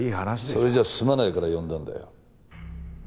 それじゃ済まないから呼んだんだよ。